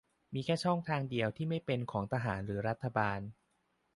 มีแค่ช่องเดียวที่ไม่เป็นของทหารหรือรัฐบาล